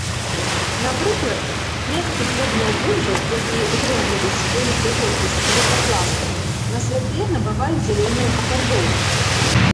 Напрыклад, клеткі клубняў бульбы, якія ўтрымліваюць вялікую колькасць лейкапластаў, на святле набываюць зялёную афарбоўку.